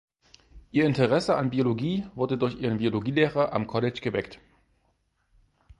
Ihr Interesse an Biologie wurde durch ihren Biologielehrer am College geweckt.